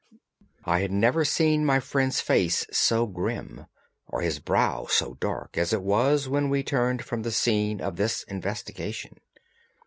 I had never seen my friend's face so grim or his brow so dark as it was when we turned from the scene of this investigation.